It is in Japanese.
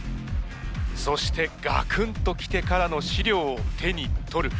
そしてガクンと来てからの資料を手に取る。